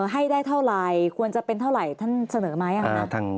ให้ได้เท่าไหร่ควรจะเป็นเท่าไหร่ท่านเสนอไหม